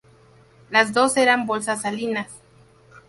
Las dos eran bolsas salinas.